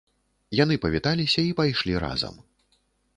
Яны павіталіся і пайшлі разам.